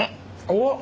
おっ！